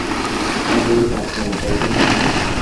এটা দেখে কাঁদতে মন চাইছে না তোমার?